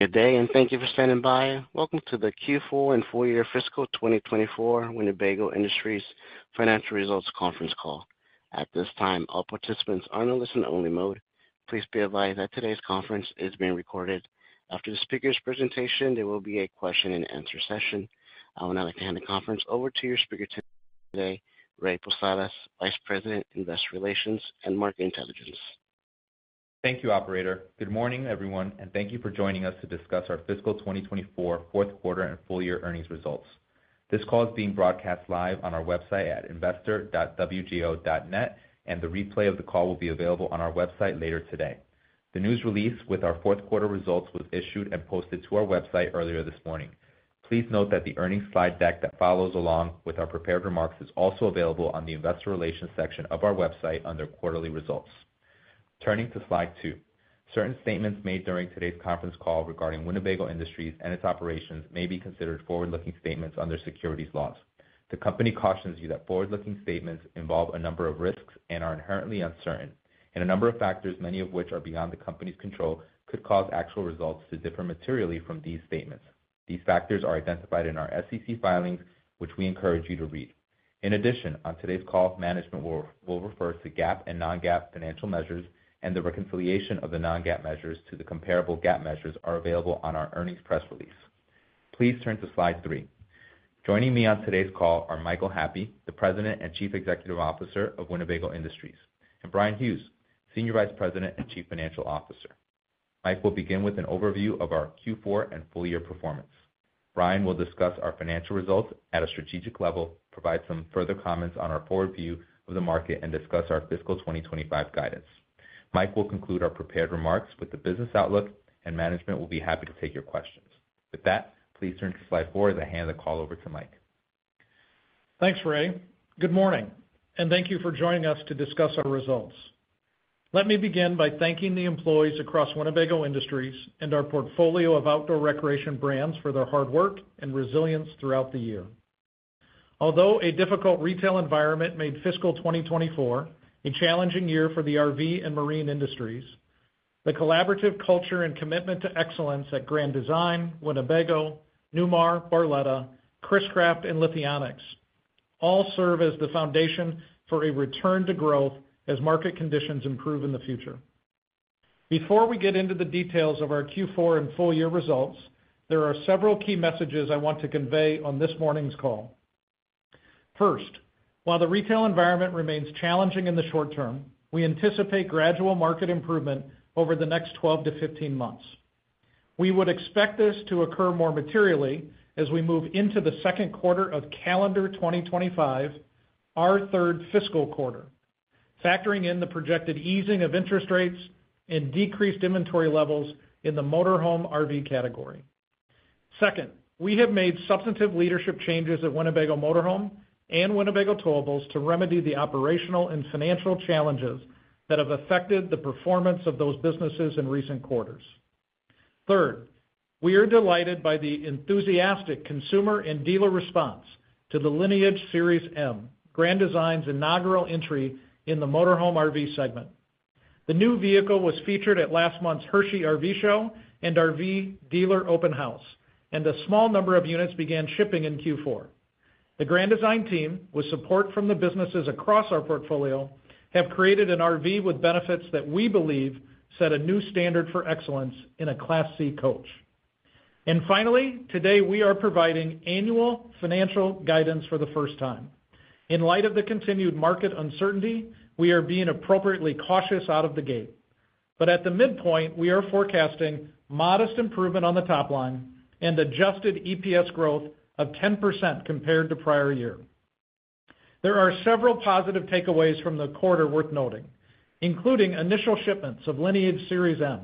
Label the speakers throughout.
Speaker 1: Good day, and thank you for standing by. Welcome to the Q4 and full year fiscal 2024 Winnebago Industries Financial Results conference call. At this time, all participants are in a listen-only mode. Please be advised that today's conference is being recorded. After the speaker's presentation, there will be a question-and-answer session. I would now like to hand the conference over to your speaker today, Ray Posadas, Vice President, Investor Relations and Market Intelligence.
Speaker 2: Thank you, operator. Good morning, everyone, and thank you for joining us to discuss our fiscal 2024, fourth quarter and full year earnings results. This call is being broadcast live on our website at investor.wgo.net, and the replay of the call will be available on our website later today. The news release with our fourth quarter results was issued and posted to our website earlier this morning. Please note that the earnings slide deck that follows along with our prepared remarks is also available on the investor relations section of our website under quarterly results. Turning to slide two. Certain statements made during today's conference call regarding Winnebago Industries and its operations may be considered forward-looking statements under securities laws. The company cautions you that forward-looking statements involve a number of risks and are inherently uncertain, and a number of factors, many of which are beyond the company's control, could cause actual results to differ materially from these statements. These factors are identified in our SEC filings, which we encourage you to read. In addition, on today's call, management will refer to GAAP and non-GAAP financial measures, and the reconciliation of the non-GAAP measures to the comparable GAAP measures are available on our earnings press release. Please turn to slide three. Joining me on today's call are Michael Happe, the President and Chief Executive Officer of Winnebago Industries, and Bryan Hughes, Senior Vice President and Chief Financial Officer. Mike will begin with an overview of our Q4 and full year performance. Bryan will discuss our financial results at a strategic level, provide some further comments on our forward view of the market, and discuss our fiscal 2025 guidance. Mike will conclude our prepared remarks with the business outlook, and management will be happy to take your questions. With that, please turn to slide four as I hand the call over to Mike.
Speaker 3: Thanks, Ray. Good morning, and thank you for joining us to discuss our results. Let me begin by thanking the employees across Winnebago Industries and our portfolio of outdoor recreation brands for their hard work and resilience throughout the year. Although a difficult retail environment made fiscal 2024 a challenging year for the RV and Marine industries, the collaborative culture and commitment to excellence at Grand Design, Winnebago, Newmar, Barletta, Chris-Craft, and Lithionics all serve as the foundation for a return to growth as market conditions improve in the future. Before we get into the details of our Q4 and full year results, there are several key messages I want to convey on this morning's call. First, while the retail environment remains challenging in the short term, we anticipate gradual market improvement over the next 12-15 months. We would expect this to occur more materially as we move into the second quarter of calendar 2025, our third fiscal quarter, factoring in the projected easing of interest rates and decreased inventory levels in the motorhome RV category. Second, we have made substantive leadership changes at Winnebago Motorhome and Winnebago Towables to remedy the operational and financial challenges that have affected the performance of those businesses in recent quarters. Third, we are delighted by the enthusiastic consumer and dealer response to the Lineage Series M, Grand Design's inaugural entry in the motorhome RV segment. The new vehicle was featured at last month's Hershey RV Show and RV Dealer Open House, and a small number of units began shipping in Q4. The Grand Design team, with support from the businesses across our portfolio, have created an RV with benefits that we believe set a new standard for excellence in a Class C coach. And finally, today, we are providing annual financial guidance for the first time. In light of the continued market uncertainty, we are being appropriately cautious out of the gate. But at the midpoint, we are forecasting modest improvement on the top line and adjusted EPS growth of 10% compared to prior year. There are several positive takeaways from the quarter worth noting, including initial shipments of Lineage Series M.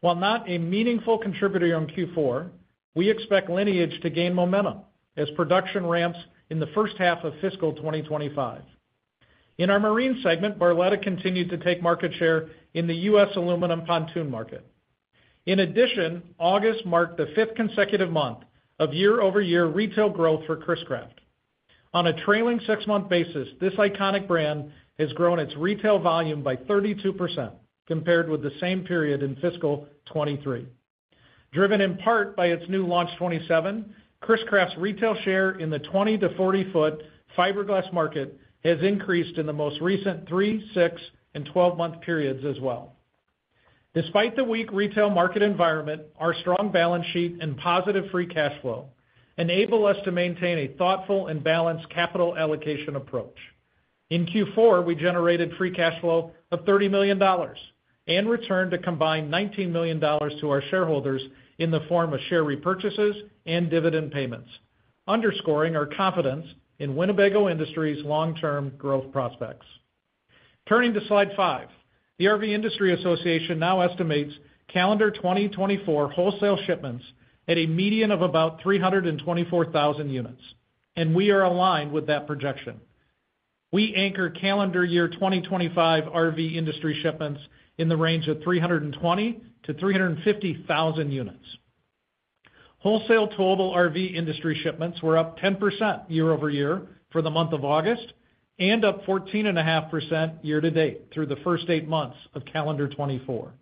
Speaker 3: While not a meaningful contributor on Q4, we expect Lineage to gain momentum as production ramps in the first half of fiscal 2025. In our Marine segment, Barletta continued to take market share in the U.S. aluminum pontoon market. In addition, August marked the fifth consecutive month of year-over-year retail growth for Chris-Craft. On a trailing 6-month basis, this iconic brand has grown its retail volume by 32% compared with the same period in fiscal 2023. Driven in part by its new Launch 27, Chris-Craft's retail share in the 20-40 ft fiberglass market has increased in the most recent, and 12-month periods as well. Despite the weak retail market environment, our strong balance sheet and positive free cash flow enable us to maintain a thoughtful and balanced capital allocation approach. In Q4, we generated free cash flow of $30 million and returned a combined $19 million to our shareholders in the form of share repurchases and dividend payments, underscoring our confidence in Winnebago Industries' long-term growth prospects. Turning to slide five. The RV Industry Association now estimates calendar 2024 wholesale shipments at a median of about 324,000 units, and we are aligned with that projection. We anchor calendar year 2025 RV industry shipments in the range of 320,000-350,000 units. Wholesale towable RV industry shipments were up 10% year-over-year for the month of August, and up 14.5% year-to-date through the first eight months of calendar 2024.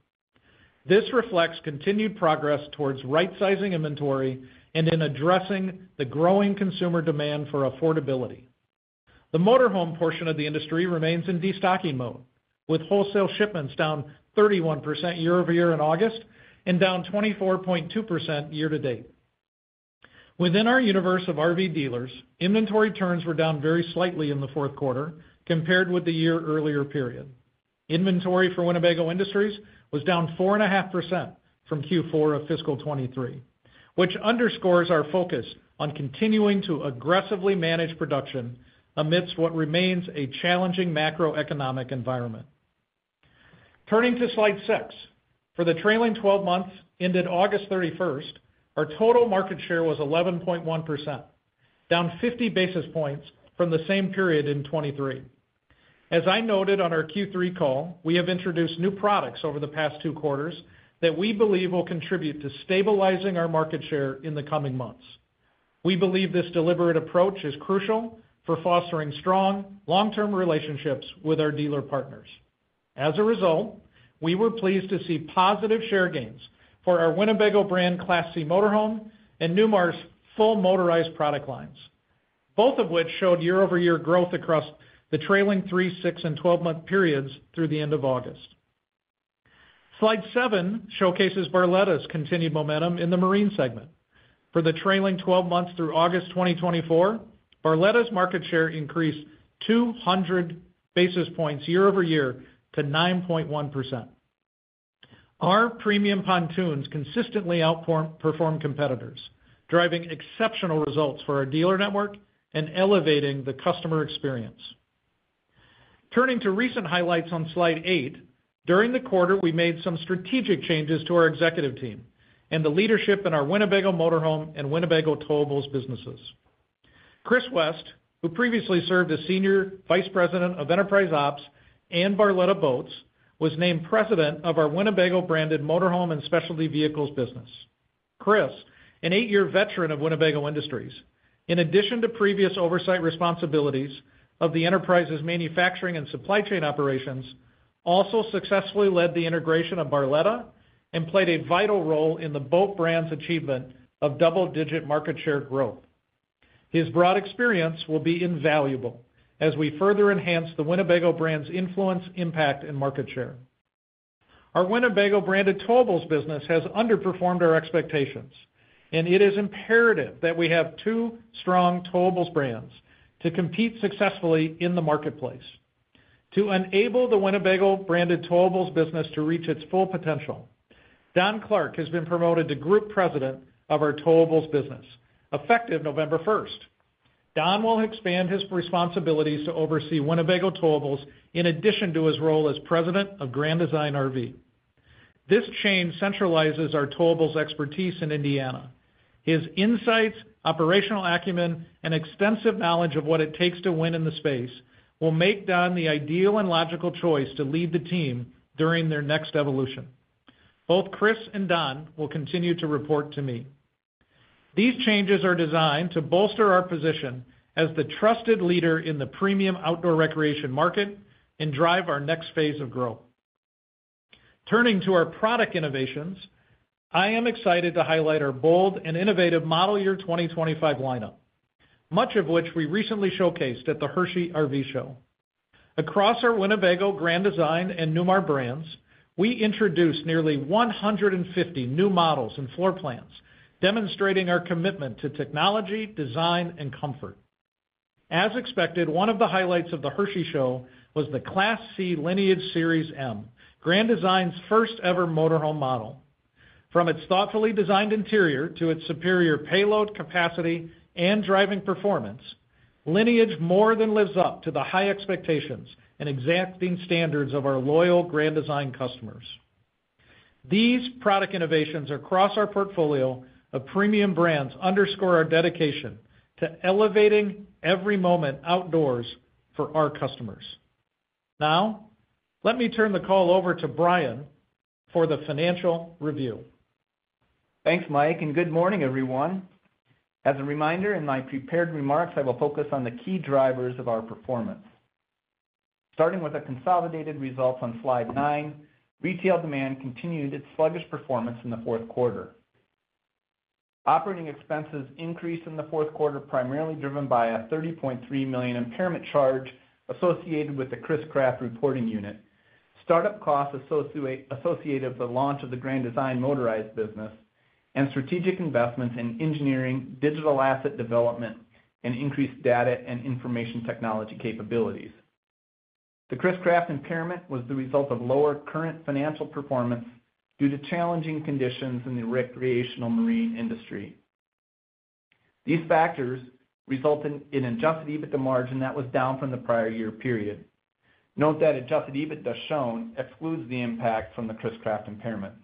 Speaker 3: This reflects continued progress towards right-sizing inventory and in addressing the growing consumer demand for affordability. The motor home portion of the industry remains in destocking mode, with wholesale shipments down 31% year-over-year in August and down 24.2% year-to-date. Within our universe of RV dealers, inventory turns were down very slightly in the fourth quarter compared with the year-earlier period. Inventory for Winnebago Industries was down 4.5% from Q4 of fiscal 2023, which underscores our focus on continuing to aggressively manage production amidst what remains a challenging macroeconomic environment. Turning to slide 6. For the trailing twelve months, ended August 31st, our total market share was 11.1%, down 50 basis points from the same period in 2023. As I noted on our Q3 call, we have introduced new products over the past two quarters that we believe will contribute to stabilizing our market share in the coming months. We believe this deliberate approach is crucial for fostering strong, long-term relationships with our dealer partners. As a result, we were pleased to see positive share gains for our Winnebago brand Class C motorhome and Newmar's full Motorized product lines, both of which showed year-over-year growth across the trailing three, six, and 12-month periods through the end of August. Slide seven showcases Barletta's continued momentum in the Marine segment. For the trailing 12 months through August 2024, Barletta's market share increased 200 basis points year-over-year to 9.1%. Our premium pontoons consistently outperform competitors, driving exceptional results for our dealer network and elevating the customer experience. Turning to recent highlights on slide eight, during the quarter, we made some strategic changes to our executive team and the leadership in our Winnebago Motorhome and Winnebago Towables businesses. Chris West, who previously served as Senior Vice President of Enterprise Ops and Barletta Boats, was named President of our Winnebago-branded Motorhome and Specialty Vehicles business. Chris, an eight-year veteran of Winnebago Industries, in addition to previous oversight responsibilities of the enterprise's manufacturing and supply chain operations, also successfully led the integration of Barletta and played a vital role in the boat brand's achievement of double-digit market share growth. His broad experience will be invaluable as we further enhance the Winnebago brand's influence, impact, and market share. Our Winnebago-branded Towables business has underperformed our expectations, and it is imperative that we have two strong Towables brands to compete successfully in the marketplace. To enable the Winnebago-branded Towables business to reach its full potential, Don Clark has been promoted to Group President of our Towables business, effective November 1st. Don will expand his responsibilities to oversee Winnebago Towables in addition to his role as President of Grand Design RV. This change centralizes our Towables expertise in Indiana. His insights, operational acumen, and extensive knowledge of what it takes to win in the space will make Don the ideal and logical choice to lead the team during their next evolution. Both Chris and Don will continue to report to me. These changes are designed to bolster our position as the trusted leader in the premium outdoor recreation market and drive our next phase of growth. Turning to our product innovations, I am excited to highlight our bold and innovative model year 2025 lineup, much of which we recently showcased at the Hershey RV Show. Across our Winnebago, Grand Design, and Newmar brands, we introduced nearly 150 new models and floor plans, demonstrating our commitment to technology, design, and comfort. As expected, one of the highlights of the Hershey Show was the Class C Lineage Series M, Grand Design's first-ever motorhome model. From its thoughtfully designed interior to its superior payload capacity and driving performance, Lineage more than lives up to the high expectations and exacting standards of our loyal Grand Design customers. These product innovations across our portfolio of premium brands underscore our dedication to elevating every moment outdoors for our customers. Now, let me turn the call over to Bryan for the financial review.
Speaker 4: Thanks, Mike, and good morning, everyone. As a reminder, in my prepared remarks, I will focus on the key drivers of our performance. Starting with the consolidated results on slide nine, retail demand continued its sluggish performance in the fourth quarter. Operating expenses increased in the fourth quarter, primarily driven by a $30.3 million impairment charge associated with the Chris-Craft reporting unit, startup costs associated with the launch of the Grand Design Motorized business, and strategic investments in engineering, digital asset development, and increased data and information technology capabilities. The Chris-Craft impairment was the result of lower current financial performance due to challenging conditions in the recreational Marine industry. These factors resulted in adjusted EBITDA margin that was down from the prior year period. Note that adjusted EBITDA shown excludes the impact from the Chris-Craft impairment.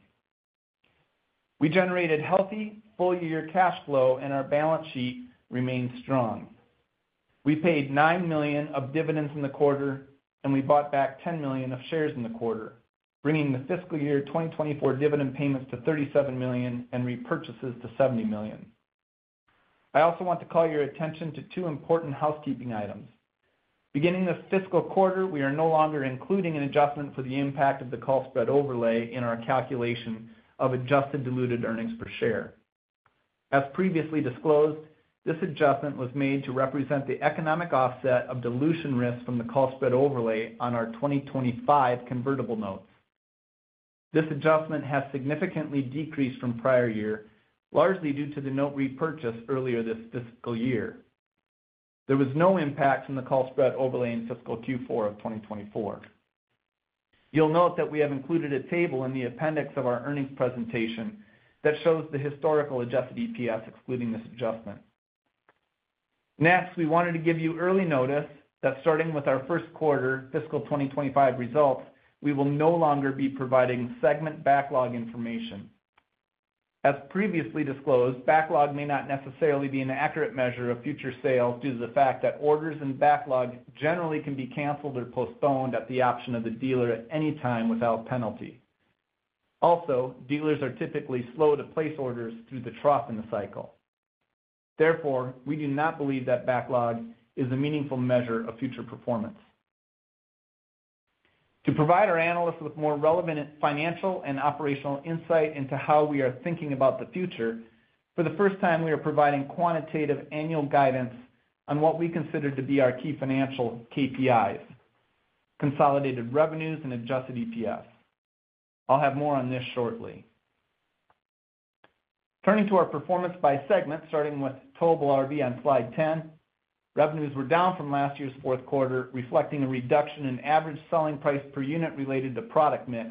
Speaker 4: We generated healthy full-year cash flow, and our balance sheet remains strong. We paid $9 million of dividends in the quarter, and we bought back $10 million of shares in the quarter, bringing the fiscal year 2024 dividend payments to $37 million and repurchases to $70 million. I also want to call your attention to two important housekeeping items. Beginning this fiscal quarter, we are no longer including an adjustment for the impact of the call spread overlay in our calculation of adjusted diluted earnings per share. As previously disclosed, this adjustment was made to represent the economic offset of dilution risk from the call spread overlay on our 2025 convertible notes. This adjustment has significantly decreased from prior year, largely due to the note repurchase earlier this fiscal year. There was no impact from the call spread overlay in fiscal Q4 of 2024. You'll note that we have included a table in the appendix of our earnings presentation that shows the historical adjusted EPS, excluding this adjustment. Next, we wanted to give you early notice that starting with our first quarter fiscal 2025 results, we will no longer be providing segment backlog information. As previously disclosed, backlog may not necessarily be an accurate measure of future sales due to the fact that orders and backlogs generally can be canceled or postponed at the option of the dealer at any time without penalty. Also, dealers are typically slow to place orders through the trough in the cycle. Therefore, we do not believe that backlog is a meaningful measure of future performance. To provide our analysts with more relevant financial and operational insight into how we are thinking about the future, for the first time, we are providing quantitative annual guidance on what we consider to be our key financial KPIs, consolidated revenues, and adjusted EPS. I'll have more on this shortly. Turning to our performance by segment, starting with Towable RV on slide 10, revenues were down from last year's fourth quarter, reflecting a reduction in average selling price per unit related to product mix,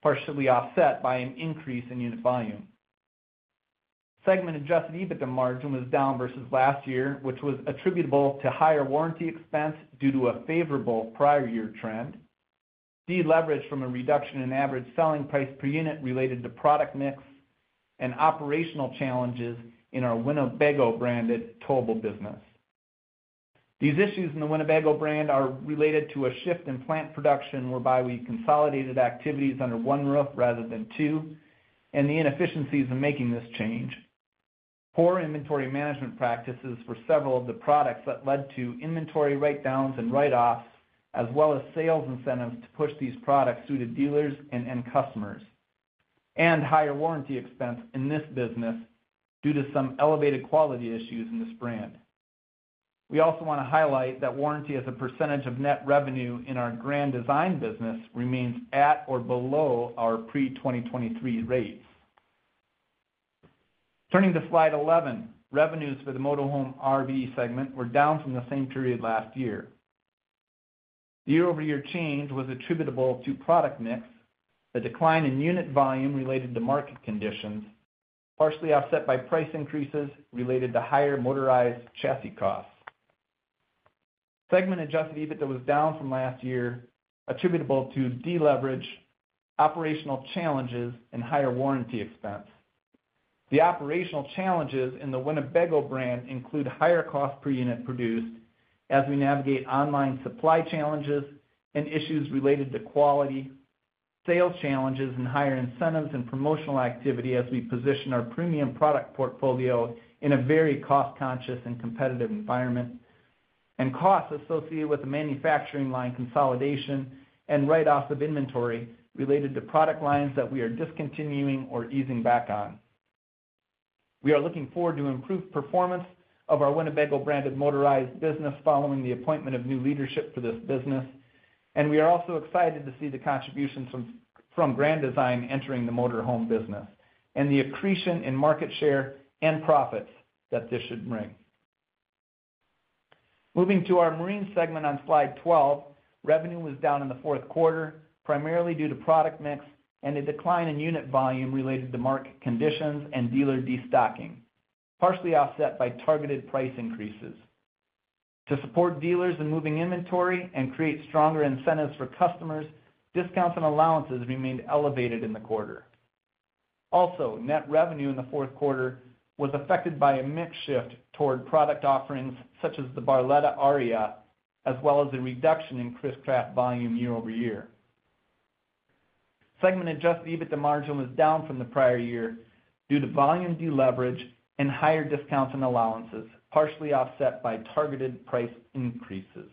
Speaker 4: partially offset by an increase in unit volume. Segment adjusted EBITDA margin was down versus last year, which was attributable to higher warranty expense due to a favorable prior year trend, deleveraged from a reduction in average selling price per unit related to product mix and operational challenges in our Winnebago-branded Towable business. These issues in the Winnebago brand are related to a shift in plant production, whereby we consolidated activities under one roof rather than two, and the inefficiencies in making this change, poor inventory management practices for several of the products that led to inventory write-downs and write-offs, as well as sales incentives to push these products through to dealers and end customers, and higher warranty expense in this business due to some elevated quality issues in this brand. We also want to highlight that warranty as a percentage of net revenue in our Grand Design business remains at or below our pre-2023 rates. Turning to slide 11, revenues for the Motorhome RV segment were down from the same period last year. The year-over-year change was attributable to product mix, a decline in unit volume related to market conditions, partially offset by price increases related to higher Motorized chassis costs. Segment Adjusted EBITDA was down from last year, attributable to deleverage, operational challenges, and higher warranty expense. The operational challenges in the Winnebago brand include higher cost per unit produced as we navigate ongoing supply challenges and issues related to quality, sales challenges and higher incentives and promotional activity as we position our premium product portfolio in a very cost-conscious and competitive environment, and costs associated with the manufacturing line consolidation and write-offs of inventory related to product lines that we are discontinuing or easing back on. We are looking forward to improved performance of our Winnebago-branded Motorized business following the appointment of new leadership for this business, and we are also excited to see the contributions from Grand Design entering the motorhome business and the accretion in market share and profits that this should bring. Moving to our Marine segment on slide 12, revenue was down in the fourth quarter, primarily due to product mix and a decline in unit volume related to market conditions and dealer destocking, partially offset by targeted price increases. To support dealers in moving inventory and create stronger incentives for customers, discounts and allowances remained elevated in the quarter. Also, net revenue in the fourth quarter was affected by a mix shift toward product offerings such as the Barletta Aria, as well as a reduction in Chris-Craft volume year-over-year. Segment Adjusted EBITDA margin was down from the prior year due to volume deleverage and higher discounts and allowances, partially offset by targeted price increases.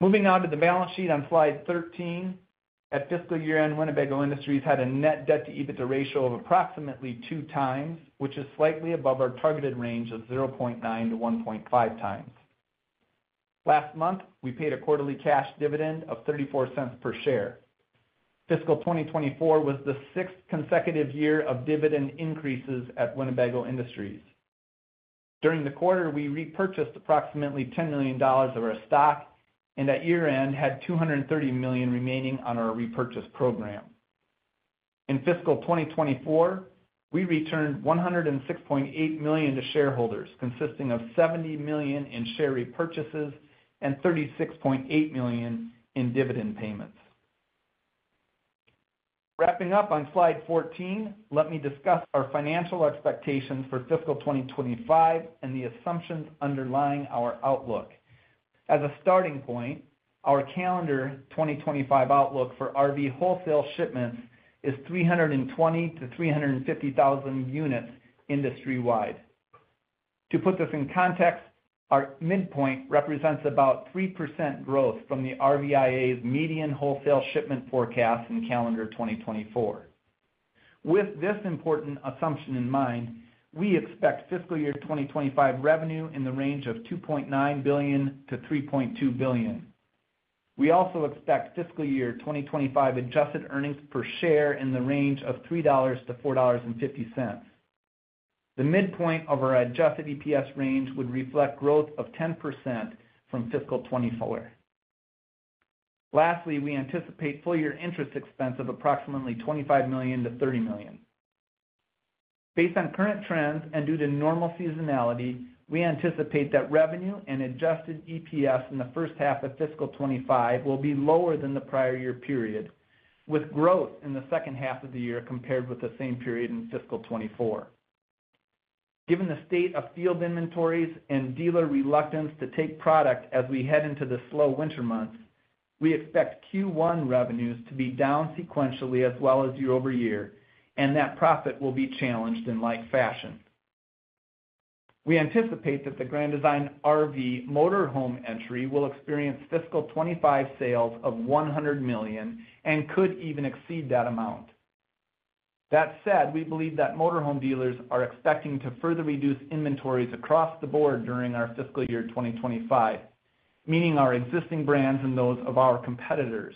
Speaker 4: Moving on to the balance sheet on slide 13. At fiscal year-end, Winnebago Industries had a net debt to EBITDA ratio of approximately 2x, which is slightly above our targeted range of 0.9x-1.5x. Last month, we paid a quarterly cash dividend of $0.34 per share. Fiscal 2024 was the sixth consecutive year of dividend increases at Winnebago Industries. During the quarter, we repurchased approximately $10 million of our stock, and at year-end, had $230 million remaining on our repurchase program. In fiscal 2024, we returned $106.8 million to shareholders, consisting of $70 million in share repurchases and $36.8 million in dividend payments. Wrapping up on slide 14, let me discuss our financial expectations for fiscal 2025 and the assumptions underlying our outlook. As a starting point, our calendar 2025 outlook for RV wholesale shipments is 320,000-350,000 units industry-wide. To put this in context, our midpoint represents about 3% growth from the RVIA's median wholesale shipment forecast in calendar 2024. With this important assumption in mind, we expect fiscal year 2025 revenue in the range of $2.9 billion-$3.2 billion. We also expect fiscal year 2025 adjusted earnings per share in the range of $3-$4.50. The midpoint of our adjusted EPS range would reflect growth of 10% from fiscal 2024. Lastly, we anticipate full year interest expense of approximately $25 million-$30 million. Based on current trends and due to normal seasonality, we anticipate that revenue and Adjusted EPS in the first half of fiscal 2025 will be lower than the prior year period, with growth in the second half of the year compared with the same period in fiscal 2024. Given the state of field inventories and dealer reluctance to take product as we head into the slow winter months, we expect Q1 revenues to be down sequentially as well as year-over-year, and that profit will be challenged in like fashion. We anticipate that the Grand Design RV motorhome entry will experience fiscal 2025 sales of $100 million and could even exceed that amount. That said, we believe that motorhome dealers are expecting to further reduce inventories across the board during our fiscal year 2025, meaning our existing brands and those of our competitors.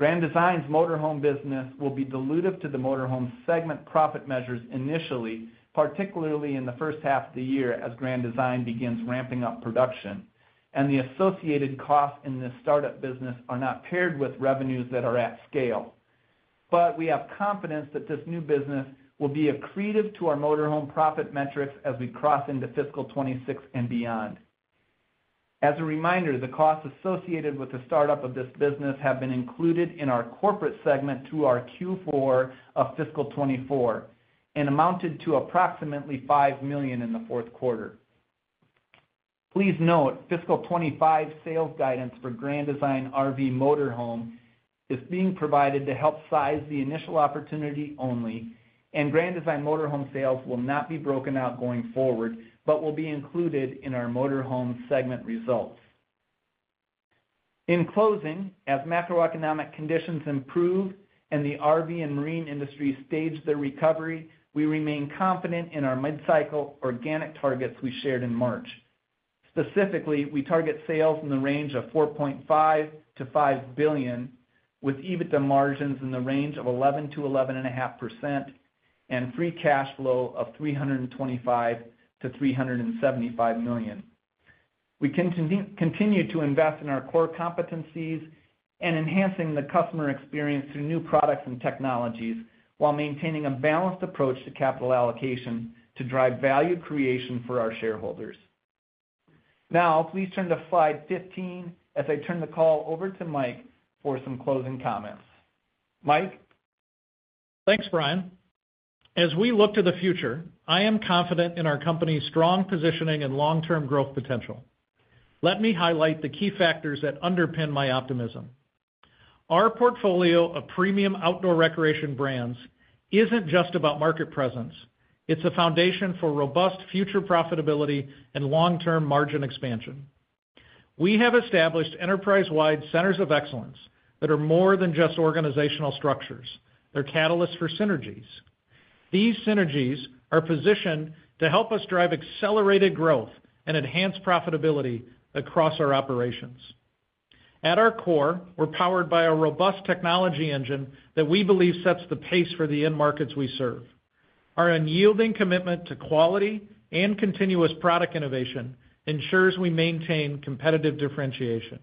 Speaker 4: Grand Design's motorhome business will be dilutive to the motorhome segment profit measures initially, particularly in the first half of the year as Grand Design begins ramping up production, and the associated costs in this startup business are not paired with revenues that are at scale. But we have confidence that this new business will be accretive to our motorhome profit metrics as we cross into fiscal 2026 and beyond. As a reminder, the costs associated with the startup of this business have been included in our corporate segment through our Q4 of fiscal 2024 and amounted to approximately $5 million in the fourth quarter. Please note, fiscal 2025 sales guidance for Grand Design RV motorhome is being provided to help size the initial opportunity only, and Grand Design motorhome sales will not be broken out going forward, but will be included in our Motorhome segment results. In closing, as macroeconomic conditions improve and the RV and Marine industry stage their recovery, we remain confident in our mid-cycle organic targets we shared in March. Specifically, we target sales in the range of $4.5 billion-$5 billion, with EBITDA margins in the range of 11%-11.5%, and free cash flow of $325 million-$375 million. We continue to invest in our core competencies and enhancing the customer experience through new products and technologies, while maintaining a balanced approach to capital allocation to drive value creation for our shareholders. Now, please turn to slide 15 as I turn the call over to Mike for some closing comments. Mike?
Speaker 3: Thanks, Bryan. As we look to the future, I am confident in our company's strong positioning and long-term growth potential. Let me highlight the key factors that underpin my optimism. Our portfolio of premium outdoor recreation brands isn't just about market presence. It's a foundation for robust future profitability and long-term margin expansion. We have established enterprise-wide centers of excellence that are more than just organizational structures. They're catalysts for synergies. These synergies are positioned to help us drive accelerated growth and enhance profitability across our operations. At our core, we're powered by a robust technology engine that we believe sets the pace for the end markets we serve. Our unyielding commitment to quality and continuous product innovation ensures we maintain competitive differentiation.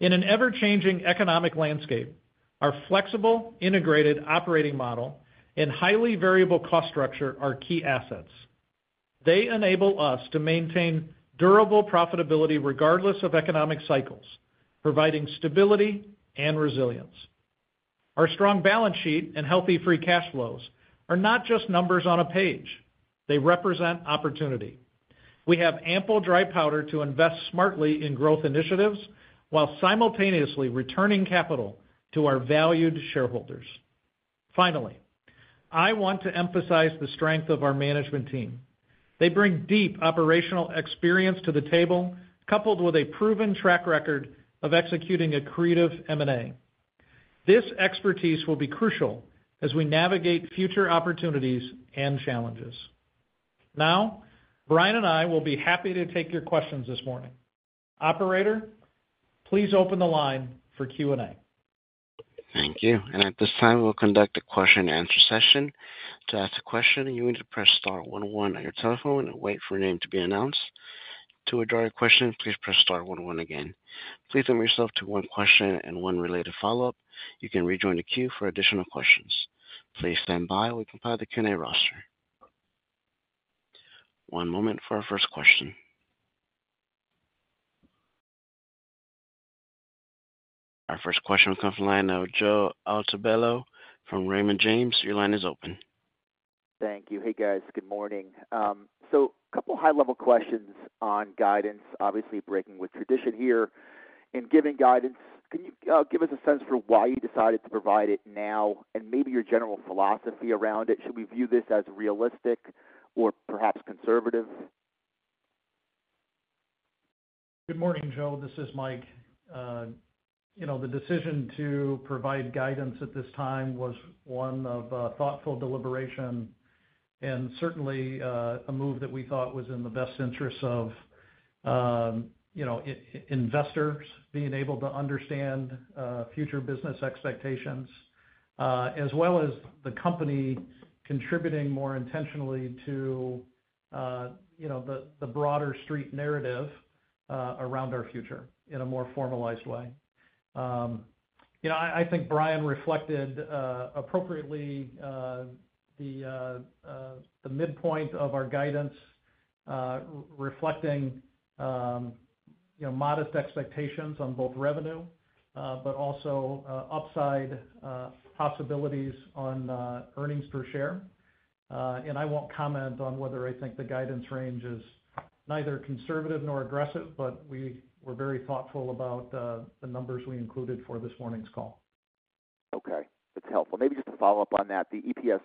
Speaker 3: In an ever-changing economic landscape, our flexible, integrated operating model and highly variable cost structure are key assets. They enable us to maintain durable profitability regardless of economic cycles, providing stability and resilience. Our strong balance sheet and healthy free cash flows are not just numbers on a page. They represent opportunity. We have ample dry powder to invest smartly in growth initiatives while simultaneously returning capital to our valued shareholders. Finally, I want to emphasize the strength of our management team. They bring deep operational experience to the table, coupled with a proven track record of executing accretive M&A. This expertise will be crucial as we navigate future opportunities and challenges. Now, Bryan and I will be happy to take your questions this morning. Operator, please open the line for Q&A.
Speaker 1: Thank you. And at this time, we'll conduct a question-and-answer session. To ask a question, you need to press star one one on your telephone and wait for your name to be announced. To withdraw your question, please press star one one again. Please limit yourself to one question and one related follow-up. You can rejoin the queue for additional questions. Please stand by while we compile the Q&A roster. One moment for our first question. Our first question will come from the line of Joe Altobello from Raymond James. Your line is open.
Speaker 5: Thank you. Hey, guys. Good morning. So a couple high-level questions on guidance. Obviously, breaking with tradition here in giving guidance, can you give us a sense for why you decided to provide it now and maybe your general philosophy around it? Should we view this as realistic or perhaps conservative?
Speaker 3: Good morning, Joe. This is Mike. You know, the decision to provide guidance at this time was one of thoughtful deliberation and certainly a move that we thought was in the best interest of you know investors being able to understand future business expectations as well as the company contributing more intentionally to you know the broader street narrative around our future in a more formalized way. You know, I think Bryan reflected appropriately the midpoint of our guidance reflecting you know modest expectations on both revenue but also upside possibilities on earnings per share. And I won't comment on whether I think the guidance range is neither conservative nor aggressive, but we were very thoughtful about the numbers we included for this morning's call.
Speaker 5: Okay, that's helpful. Maybe just to follow up on that, the EPS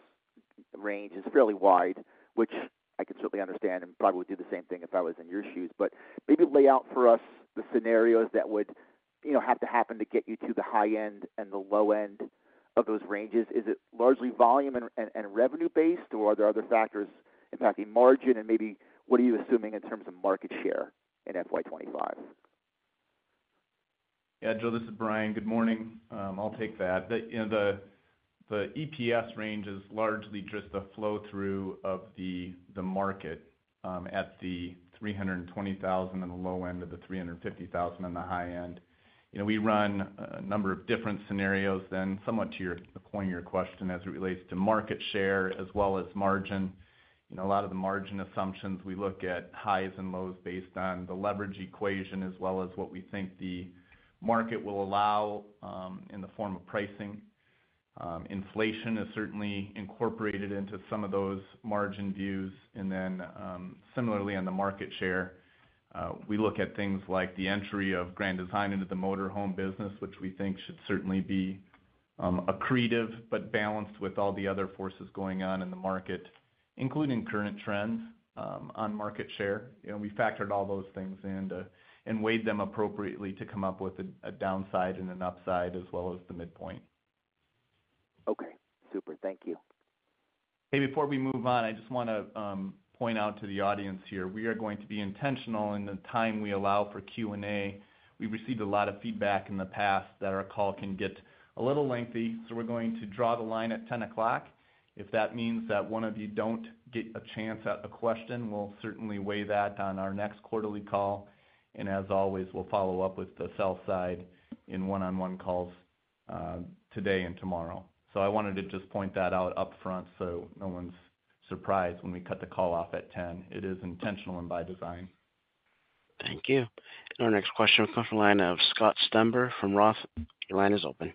Speaker 5: range is fairly wide, which I can certainly understand and probably would do the same thing if I was in your shoes. But maybe lay out for us the scenarios that would, you know, have to happen to get you to the high end and the low end of those ranges. Is it largely volume and revenue-based, or are there other factors impacting margin? And maybe what are you assuming in terms of market share in FY 2025?
Speaker 4: Yeah, Joe, this is Bryan. Good morning. I'll take that. You know, the EPS range is largely just a flow-through of the market at the 320,000 on the low end of the 350,000 on the high end. You know, we run a number of different scenarios, then somewhat to the point of your question, as it relates to market share as well as margin. You know, a lot of the margin assumptions, we look at highs and lows based on the leverage equation, as well as what we think the market will allow in the form of pricing. Inflation is certainly incorporated into some of those margin views. Then, similarly, on the market share, we look at things like the entry of Grand Design into the motor home business, which we think should certainly be accretive, but balanced with all the other forces going on in the market, including current trends on market share. You know, we factored all those things into and weighed them appropriately to come up with a downside and an upside, as well as the midpoint.
Speaker 5: Okay, super. Thank you.
Speaker 4: Hey, before we move on, I just want to point out to the audience here, we are going to be intentional in the time we allow for Q&A. We've received a lot of feedback in the past that our call can get a little lengthy, so we're going to draw the line at 10:00 A.M. If that means that one of you don't get a chance at a question, we'll certainly weigh that on our next quarterly call, and as always, we'll follow up with the sell side in one-on-one calls, today and tomorrow. So I wanted to just point that out upfront so no one's surprised when we cut the call off at 10:00 A.M. It is intentional and by design.
Speaker 1: Thank you. Our next question will come from the line of Scott Stember from ROTH. Your line is open.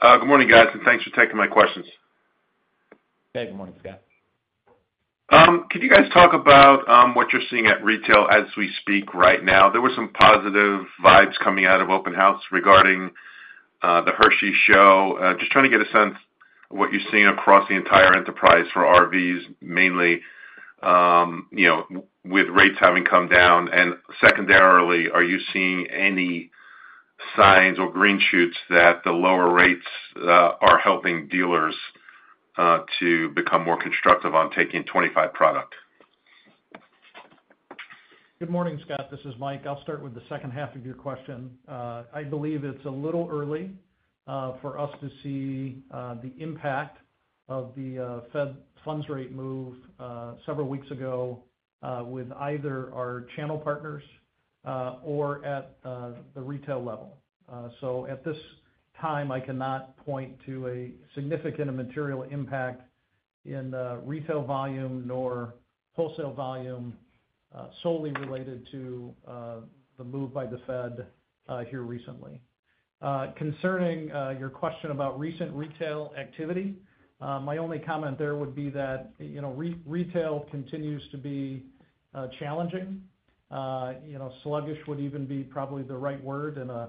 Speaker 6: Good morning, guys, and thanks for taking my questions.
Speaker 4: Hey, good morning, Scott.
Speaker 6: Could you guys talk about what you're seeing at retail as we speak right now? There were some positive vibes coming out of Open House regarding the Hershey Show. Just trying to get a sense of what you're seeing across the entire enterprise for RVs, mainly, you know, with rates having come down. And secondarily, are you seeing any signs or green shoots that the lower rates are helping dealers to become more constructive on taking 2025 product?
Speaker 3: Good morning, Scott, this is Mike. I'll start with the second half of your question. I believe it's a little early for us to see the impact of the Fed funds rate move several weeks ago with either our channel partners or at the retail level. So at this time, I cannot point to a significant and material impact in retail volume nor wholesale volume solely related to the move by the Fed here recently. Concerning your question about recent retail activity, my only comment there would be that, you know, retail continues to be challenging. You know, sluggish would even be probably the right word in a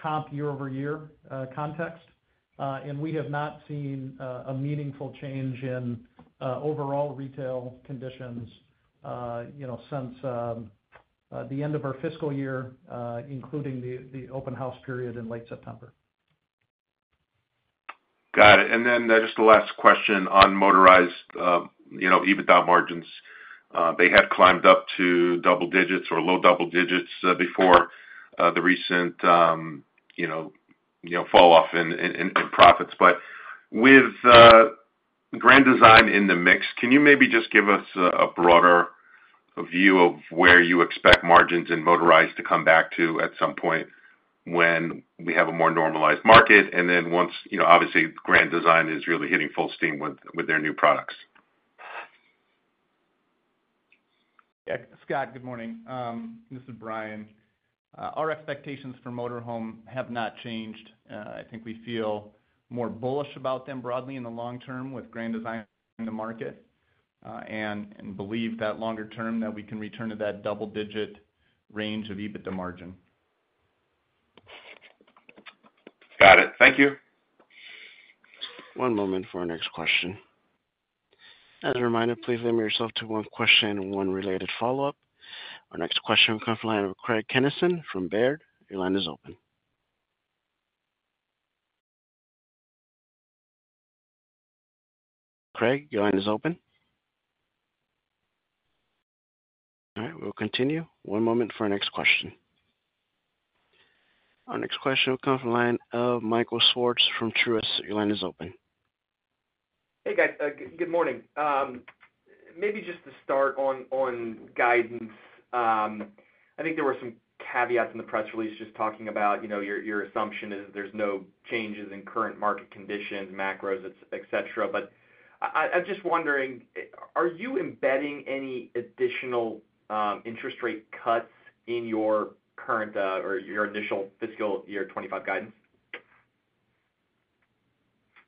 Speaker 3: comp year-over-year context. And we have not seen a meaningful change in overall retail conditions, you know, since the end of our fiscal year, including the open house period in late September.
Speaker 6: Got it. And then just the last question on Motorized, you know, EBITDA margins. They had climbed up to double digits or low double digits before the recent, you know, falloff in profits. But with Grand Design in the mix, can you maybe just give us a broader view of where you expect margins in Motorized to come back to at some point when we have a more normalized market? And then once, you know, obviously, Grand Design is really hitting full steam with their new products.
Speaker 4: Yeah, Scott, good morning. This is Bryan. Our expectations for Motorhome have not changed. I think we feel more bullish about them broadly in the long term with Grand Design in the market, and believe that longer term that we can return to that double-digit range of EBITDA margin.
Speaker 6: Got it. Thank you.
Speaker 1: One moment for our next question. As a reminder, please limit yourself to one question and one related follow-up. Our next question will come from the line of Craig Kennison from Baird. Your line is open. Craig, your line is open? All right, we'll continue. One moment for our next question. Our next question will come from the line of Michael Swartz from Truist. Your line is open.
Speaker 7: Hey, guys, good morning. Maybe just to start on guidance. I think there were some caveats in the press release just talking about, you know, your assumption is there's no changes in current market conditions, macros, et cetera. But I'm just wondering, are you embedding any additional interest rate cuts in your current or your initial fiscal year 2025 guidance?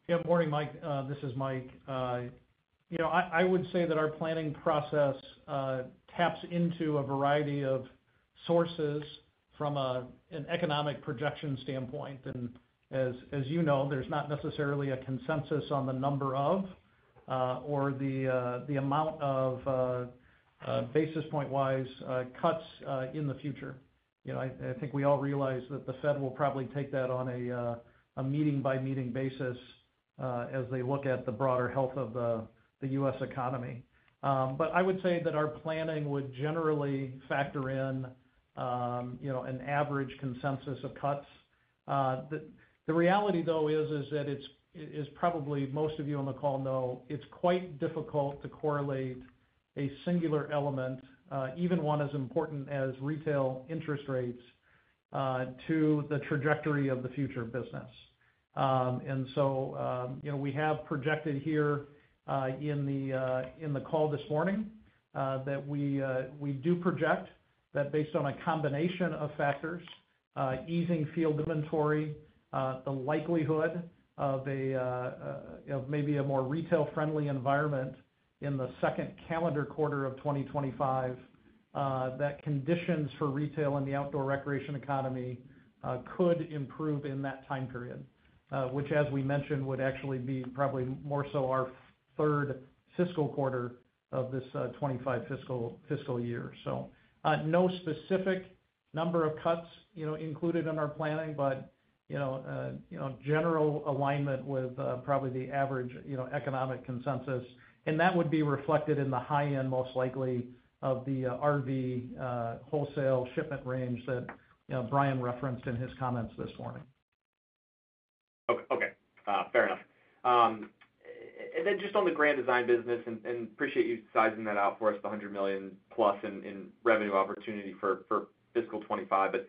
Speaker 3: Yeah. Morning, Mike, this is Mike. You know, I would say that our planning process taps into a variety of sources from an economic projection standpoint. And as you know, there's not necessarily a consensus on the number of, or the amount of basis point-wise cuts in the future. You know, I think we all realize that the Fed will probably take that on a meeting-by-meeting basis as they look at the broader health of the US economy. But I would say that our planning would generally factor in, you know, an average consensus of cuts. The reality, though, is that it's as probably most of you on the call know, it's quite difficult to correlate a singular element, even one as important as retail interest rates, to the trajectory of the future of business. And so, you know, we have projected here in the call this morning that we do project that based on a combination of factors, easing field inventory, the likelihood of maybe a more retail-friendly environment in the second calendar quarter of 2025, that conditions for retail and the outdoor recreation economy could improve in that time period, which as we mentioned, would actually be probably more so our third fiscal quarter of this twenty-five fiscal year. So, no specific number of cuts, you know, included in our planning, but, you know, general alignment with, probably the average, you know, economic consensus, and that would be reflected in the high end, most likely, of the RV wholesale shipment range that, you know, Bryan referenced in his comments this morning.
Speaker 7: Fair enough. And then just on the Grand Design business, and appreciate you sizing that out for us, the 100 million plus in revenue opportunity for fiscal 2025. But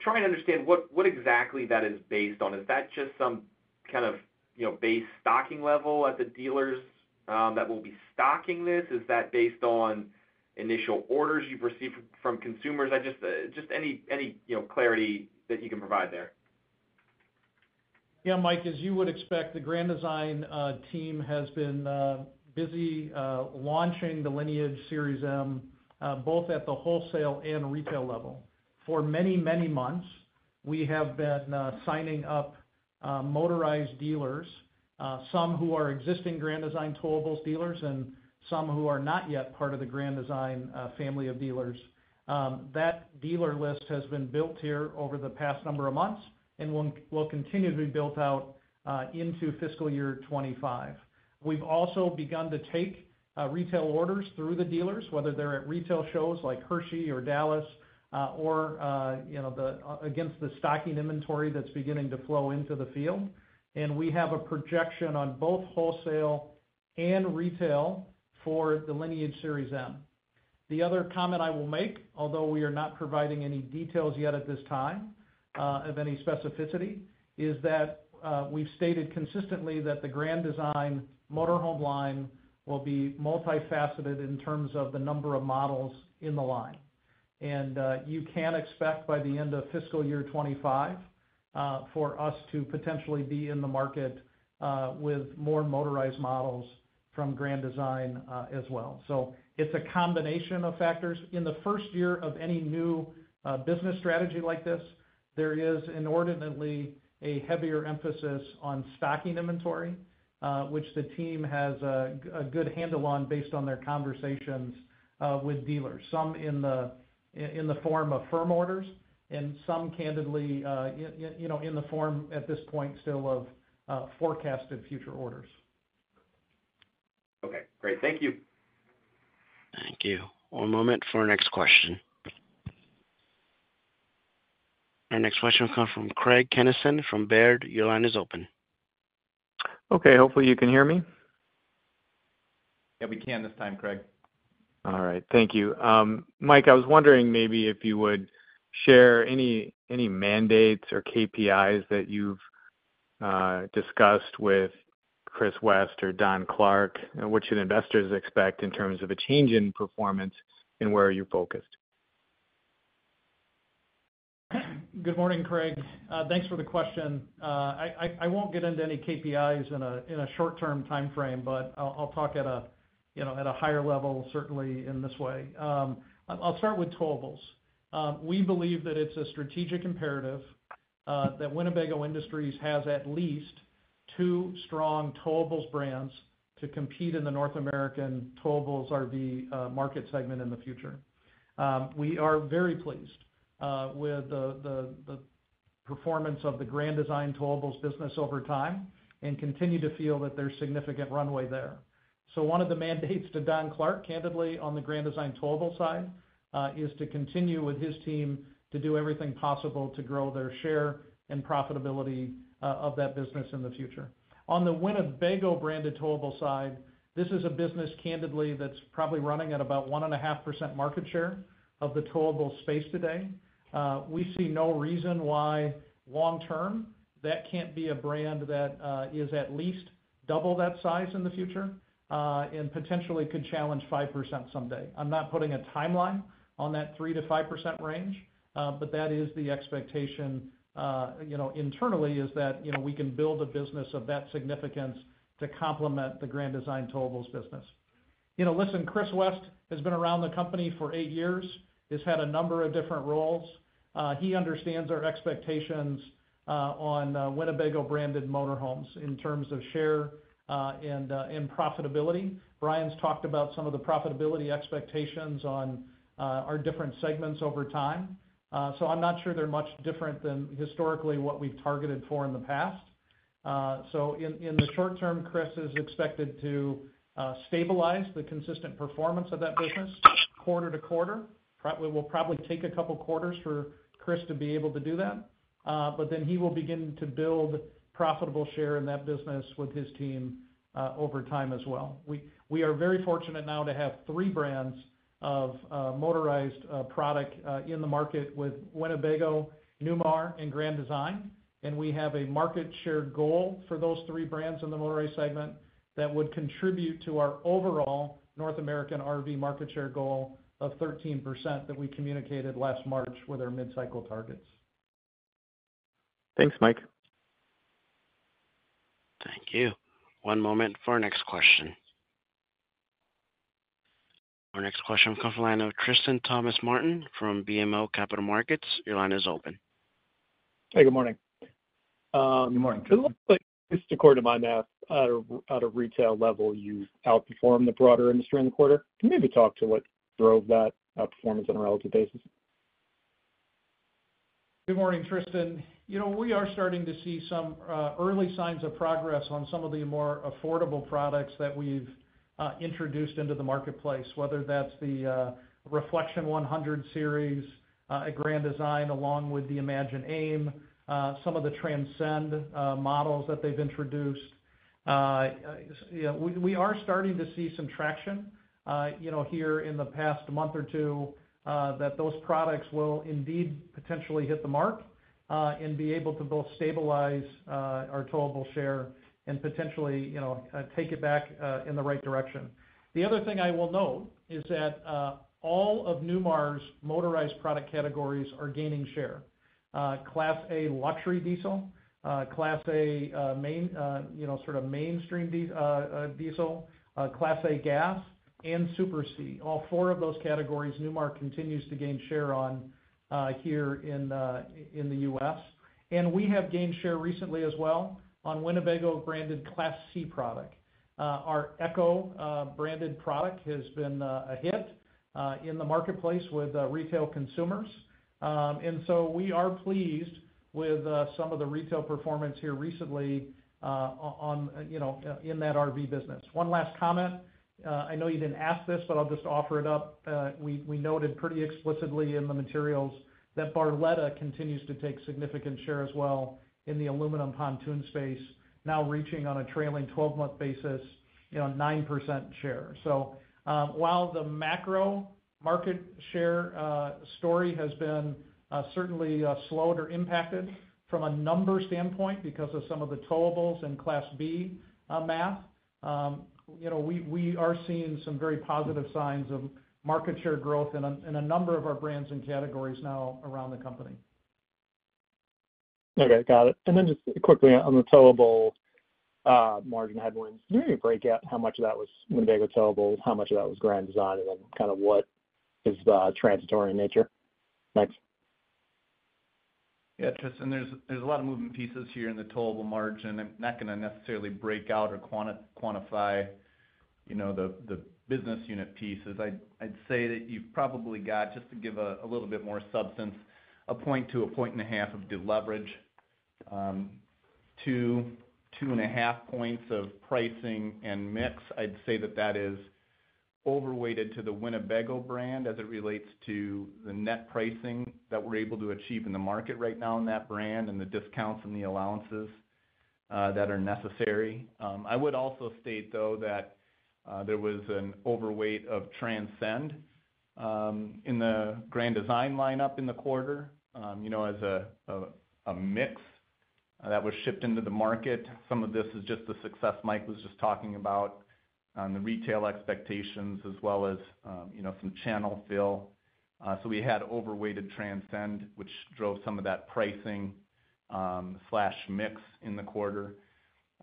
Speaker 7: trying to understand what exactly that is based on. Is that just some kind of, you know, base stocking level at the dealers, that will be stocking this? Is that based on initial orders you've received from consumers? I just any, you know, clarity that you can provide there.
Speaker 3: Yeah, Mike, as you would expect, the Grand Design team has been busy launching the Lineage Series M both at the wholesale and retail level. For many, many months, we have been signing up Motorized dealers, some who are existing Grand Design Towables dealers and some who are not yet part of the Grand Design family of dealers. That dealer list has been built here over the past number of months and will continue to be built out into fiscal year 2025. We've also begun to take retail orders through the dealers, whether they're at retail shows like Hershey or Dallas, or you know, against the stocking inventory that's beginning to flow into the field, and we have a projection on both wholesale and retail for the Lineage Series M. The other comment I will make, although we are not providing any details yet at this time, of any specificity, is that, we've stated consistently that the Grand Design motor home line will be multifaceted in terms of the number of models in the line, and you can expect by the end of fiscal year 2025, for us to potentially be in the market, with more Motorized models from Grand Design, as well, so it's a combination of factors. In the first year of any new, business strategy like this, there is inordinately a heavier emphasis on stocking inventory, which the team has a good handle on based on their conversations, with dealers. Some in the form of firm orders and some candidly, you know, in the form at this point, still of forecasted future orders.
Speaker 7: Okay, great. Thank you.
Speaker 1: Thank you. One moment for our next question. Our next question will come from Craig Kennison from Baird. Your line is open.
Speaker 8: Okay, hopefully you can hear me.
Speaker 4: Yeah, we can this time, Craig.
Speaker 8: All right. Thank you. Mike, I was wondering maybe if you would share any mandates or KPIs that you've discussed with Chris West or Don Clark, and what should investors expect in terms of a change in performance, and where are you focused?
Speaker 3: Good morning, Craig. Thanks for the question. I won't get into any KPIs in a short-term timeframe, but I'll talk at a, you know, at a higher level, certainly in this way. I'll start with Towables. We believe that it's a strategic imperative that Winnebago Industries has at least two strong Towables brands to compete in the North American Towables RV market segment in the future. We are very pleased with the performance of the Grand Design Towables business over time and continue to feel that there's significant runway there. So one of the mandates to Don Clark, candidly, on the Grand Design towable side, is to continue with his team to do everything possible to grow their share and profitability of that business in the future. On the Winnebago-branded towable side, this is a business, candidly, that's probably running at about 1.5% market share of the towable space today. We see no reason why long term, that can't be a brand that is at least double that size in the future, and potentially could challenge 5% someday. I'm not putting a timeline on that 3%-5% range, but that is the expectation, you know, internally, is that, you know, we can build a business of that significance to complement the Grand Design Towables business. You know, listen, Chris West has been around the company for eight years. He's had a number of different roles. He understands our expectations on Winnebago-branded Motorhomes in terms of share and in profitability. Bryan's talked about some of the profitability expectations on our different segments over time. So I'm not sure they're much different than historically what we've targeted for in the past. So in the short term, Chris is expected to stabilize the consistent performance of that business quarter-to-quarter. It will probably take a couple of quarters for Chris to be able to do that, but then he will begin to build profitable share in that business with his team over time as well. We are very fortunate now to have three brands of Motorized product in the market with Winnebago, Newmar and Grand Design, and we have a market share goal for those three brands in the Motorized segment that would contribute to our overall North American RV market share goal of 13% that we communicated last March with our mid-cycle targets.
Speaker 8: Thanks, Mike.
Speaker 1: Thank you. One moment for our next question. Our next question comes from the line of Tristan Thomas-Martin from BMO Capital Markets. Your line is open.
Speaker 9: Hey, good morning.
Speaker 3: Good morning.
Speaker 9: It looks like, just according to my math, at a retail level, you've outperformed the broader industry in the quarter. Can you maybe talk to what drove that outperformance on a relative basis?
Speaker 3: Good morning, Tristan. You know, we are starting to see some early signs of progress on some of the more affordable products that we've introduced into the marketplace, whether that's the Reflection 100 Series at Grand Design, along with the Imagine AIM, some of the Transcend models that they've introduced. You know, we are starting to see some traction here in the past month or two that those products will indeed potentially hit the mark and be able to both stabilize our towable share and potentially take it back in the right direction. The other thing I will note is that all of Newmar's Motorized product categories are gaining share. Class A Luxury Diesel, Class A Mainstream Diesel, Class A Gas and Super C. All four of those categories, Newmar continues to gain share on here in the US. And we have gained share recently as well on Winnebago-branded Class C product. Our EKKO branded product has been a hit in the marketplace with retail consumers. And so we are pleased with some of the retail performance here recently on, you know, in that RV business. One last comment. I know you didn't ask this, but I'll just offer it up. We noted pretty explicitly in the materials that Barletta continues to take significant share as well in the aluminum pontoon space, now reaching on a trailing 12-month basis, you know, 9% share. So, while the macro market share story has been certainly slowed or impacted from a numbers standpoint because of some of the towables in Class B math, you know, we are seeing some very positive signs of market share growth in a number of our brands and categories now around the company.
Speaker 9: Okay, got it. And then just quickly on the towable, margin headwinds, can you break out how much of that was Winnebago Towables, how much of that was Grand Design, and then kind of what is the transitory nature? Thanks.
Speaker 4: Yeah, Tristan, there's a lot of moving pieces here in the towable margin. I'm not gonna necessarily break out or quantify, you know, the business unit pieces. I'd say that you've probably got, just to give a little bit more substance, a point to a point and a half of deleverage, 2.5 points of pricing and mix. I'd say that that is overweighted to the Winnebago brand as it relates to the net pricing that we're able to achieve in the market right now in that brand and the discounts and the allowances that are necessary. I would also state, though, that there was an overweight of Transcend in the Grand Design lineup in the quarter, you know, as a mix that was shipped into the market. Some of this is just the success Mike was just talking about on the retail expectations, as well as, you know, some channel fill. So we had overweighted Transcend, which drove some of that pricing, slash mix in the quarter.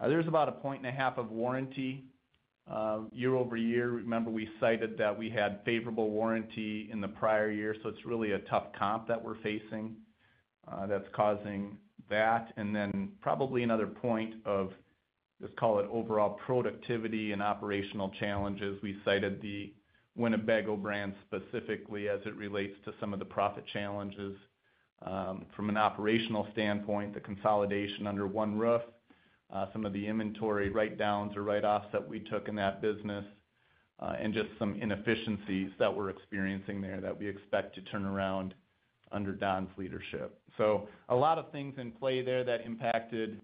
Speaker 4: There's about a point and a half of warranty, year-over-year. Remember, we cited that we had favorable warranty in the prior year, so it's really a tough comp that we're facing, that's causing that. And then probably another point of, let's call it, overall productivity and operational challenges. We cited the Winnebago brand specifically as it relates to some of the profit challenges, from an operational standpoint, the consolidation under one roof, some of the inventory write-downs or write-offs that we took in that business, and just some inefficiencies that we're experiencing there that we expect to turn around under Don's leadership, so a lot of things in play there that impacted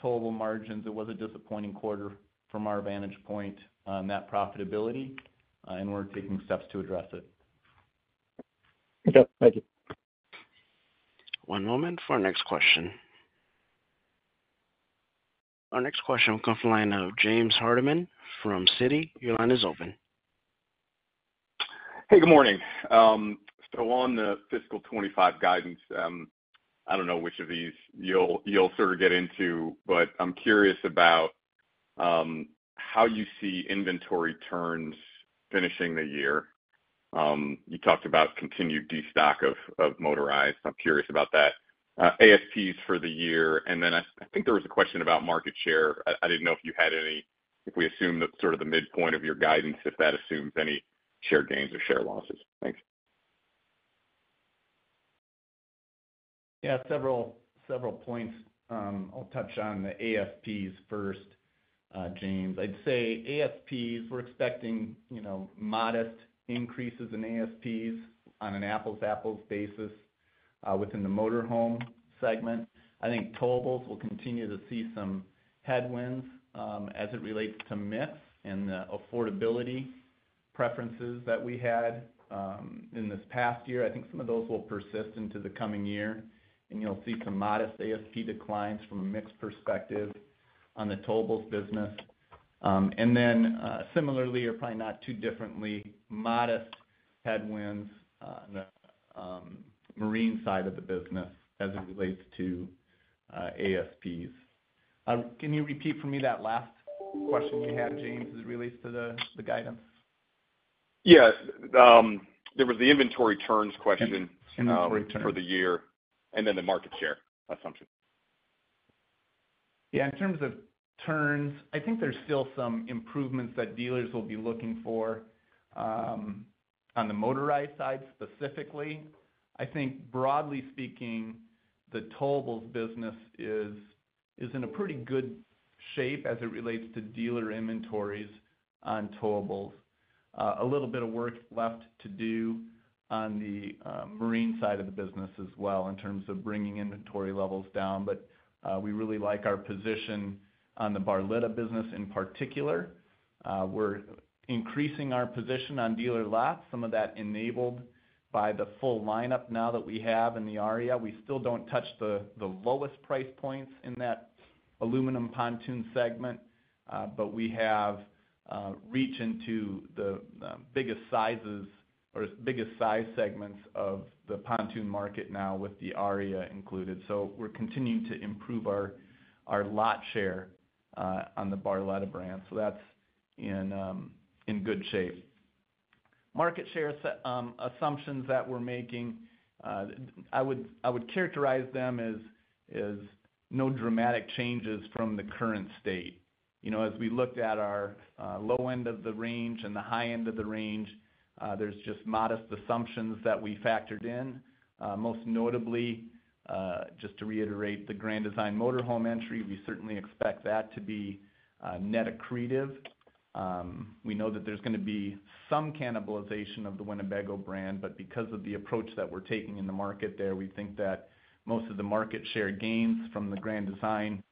Speaker 4: total margins. It was a disappointing quarter from our vantage point on net profitability, and we're taking steps to address it.
Speaker 9: Okay. Thank you.
Speaker 1: One moment for our next question. Our next question will come from the line of James Hardiman from Citi. Your line is open.
Speaker 10: Hey, good morning. So on the fiscal 2025 guidance, I don't know which of these you'll sort of get into, but I'm curious about how you see inventory turns finishing the year. You talked about continued destock of Motorized. I'm curious about that. ASPs for the year, and then I think there was a question about market share. I didn't know if we assume that sort of the midpoint of your guidance, if that assumes any share gains or share losses. Thanks.
Speaker 4: Yeah, several points. I'll touch on the ASPs first, James. I'd say ASPs, we're expecting, you know, modest increases in ASPs on an apples-to-apples basis, within the motorhome segment. I think Towables will continue to see some headwinds, as it relates to mix and the affordability preferences that we had, in this past year. I think some of those will persist into the coming year, and you'll see some modest ASP declines from a mix perspective on the Towables business. And then, similarly, or probably not too differently, modest headwinds, on the Marine side of the business as it relates to ASPs. Can you repeat for me that last question you had, James, as it relates to the guidance?
Speaker 10: Yes. There was the inventory turns question.
Speaker 3: Inventory turns.
Speaker 10: For the year, and then the market share assumption.
Speaker 4: Yeah, in terms of turns, I think there's still some improvements that dealers will be looking for on the Motorized side specifically. I think broadly speaking, the Towables business is in a pretty good shape as it relates to dealer inventories on Towables. A little bit of work left to do on the Marine side of the business as well, in terms of bringing inventory levels down. But we really like our position on the Barletta business in particular. We're increasing our position on dealer lots, some of that enabled by the full lineup now that we have in the Aria. We still don't touch the lowest price points in that aluminum pontoon segment, but we have reach into the biggest sizes or biggest size segments of the pontoon market now with the Aria included. So we're continuing to improve our lot share on the Barletta brand. So that's in good shape. Market share assumptions that we're making, I would characterize them as no dramatic changes from the current state. You know, as we looked at our low end of the range and the high end of the range, there's just modest assumptions that we factored in. Most notably, just to reiterate the Grand Design Motorhome entry, we certainly expect that to be net accretive. We know that there's gonna be some cannibalization of the Winnebago brand, but because of the approach that we're taking in the market there, we think that most of the market share gains from the Grand Design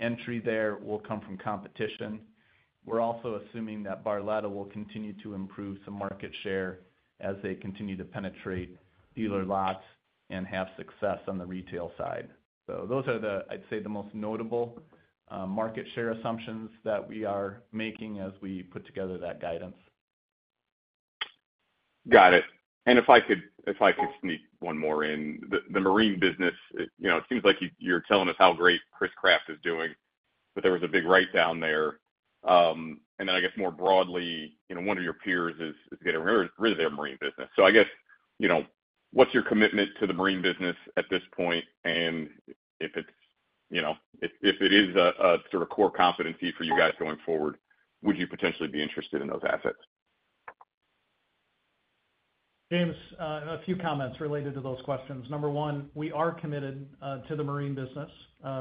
Speaker 4: entry there will come from competition. We're also assuming that Barletta will continue to improve some market share as they continue to penetrate dealer lots and have success on the retail side. So those are the, I'd say, the most notable market share assumptions that we are making as we put together that guidance.
Speaker 10: Got it. And if I could sneak one more in. The Marine business, you know, it seems like you're telling us how great Chris-Craft is doing, but there was a big write-down there. And then I guess more broadly, you know, one of your peers is getting rid of their Marine business. So I guess, you know, what's your commitment to the Marine business at this point? And if it's, you know, if it is a sort of core competency for you guys going forward, would you potentially be interested in those assets?
Speaker 3: James, a few comments related to those questions. Number one, we are committed to the Marine business.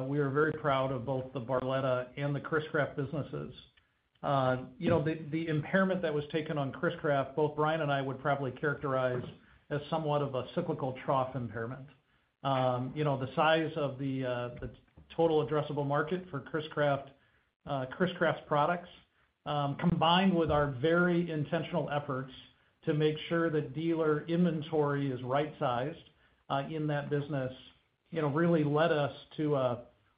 Speaker 3: We are very proud of both the Barletta and the Chris-Craft businesses. You know, the impairment that was taken on Chris-Craft, both Bryan and I would probably characterize as somewhat of a cyclical trough impairment. You know, the size of the total addressable market for Chris-Craft, Chris-Craft's products, combined with our very intentional efforts to make sure that dealer inventory is right-sized in that business, you know, really led us to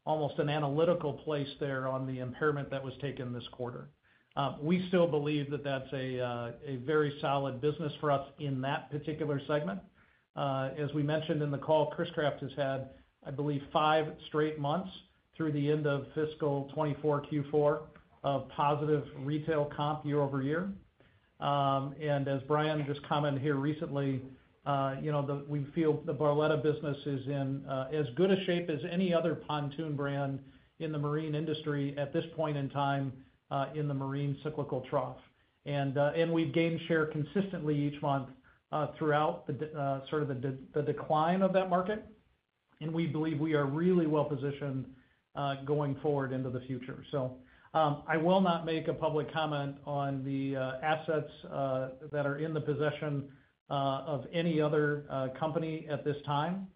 Speaker 3: almost an analytical place there on the impairment that was taken this quarter. We still believe that that's a very solid business for us in that particular segment. As we mentioned in the call, Chris-Craft has had, I believe, five straight months through the end of fiscal 2024 Q4, of positive retail comp year-over-year, and as Bryan just commented here recently, you know, we feel the Barletta business is in as good a shape as any other pontoon brand in the Marine industry at this point in time in the Marine cyclical trough, and we've gained share consistently each month throughout the sort of decline of that market, and we believe we are really well positioned going forward into the future, so I will not make a public comment on the assets that are in the possession of any other company at this time.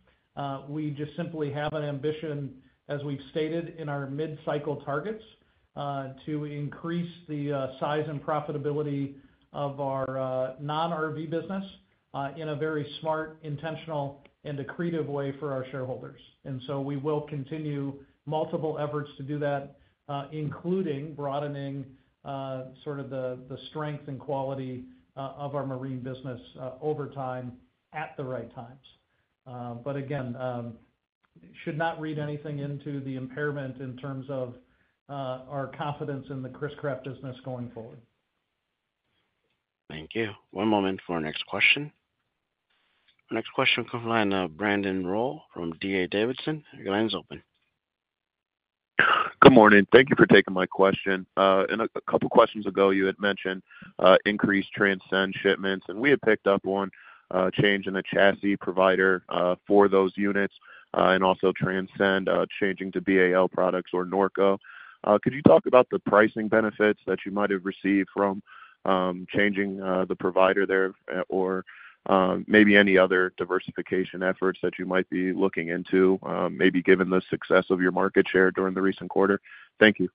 Speaker 3: We just simply have an ambition, as we've stated in our mid-cycle targets, to increase the size and profitability of our non-RV business in a very smart, intentional, and accretive way for our shareholders. And so we will continue multiple efforts to do that, including broadening sort of the strength and quality of our Marine business over time at the right times. But again, should not read anything into the impairment in terms of our confidence in the Chris-Craft business going forward.
Speaker 1: Thank you. One moment for our next question. Our next question comes from the line of Brandon Rollé from D.A. Davidson. Your line's open.
Speaker 11: Good morning. Thank you for taking my question. And a couple questions ago, you had mentioned increased Transcend shipments, and we had picked up on change in the chassis provider for those units, and also Transcend changing to BAL products or Norco. Could you talk about the pricing benefits that you might have received from changing the provider there, or maybe any other diversification efforts that you might be looking into, maybe given the success of your market share during the recent quarter? Thank you.